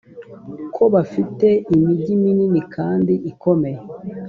ko bafite imigi minini kandi ikomeye